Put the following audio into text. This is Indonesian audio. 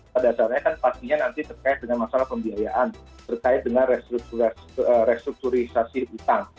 pada dasarnya kan pastinya nanti terkait dengan masalah pembiayaan terkait dengan restrukturisasi utang